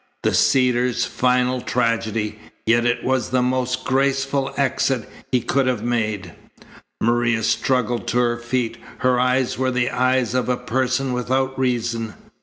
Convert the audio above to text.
"The Cedars's final tragedy, yet it was the most graceful exit he could have made." Maria struggled to her feet. Her eyes were the eyes of a person without reason.